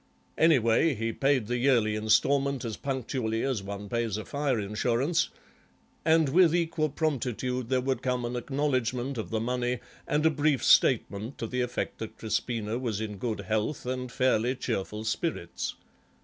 Anyway he paid the yearly instalment as punctually as one pays a fire insurance, and with equal promptitude there would come an acknowledgment of the money and a brief statement to the effect that Crispina was in good health and fairly cheerful spirits.